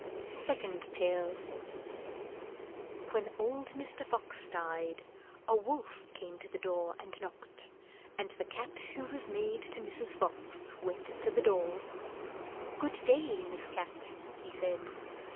SECOND TALE YT7HEN old Mr. Fox died, a wolf came to the door and »» knocked, and the cat, who was maid to Mrs. Fox, went to the door. "Good day, Miss Cat," he said.